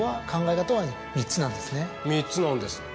３つなんですって。